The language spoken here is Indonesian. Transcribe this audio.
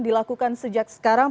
dilakukan sejak sekarang